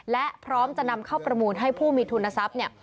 และพร้อมจะนำเข้าประมูลให้ผู้มีทุนทรัพย์เนี่ย